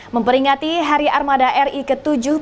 memperingati hari armada ri ke tujuh puluh tiga